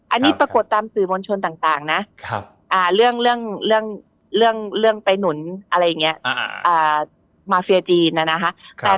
อันนี้ปรากฏตามสื่อมวลชนต่างนะเรื่องไปหนุนอะไรอย่างนี้มาเฟียจีนนะคะ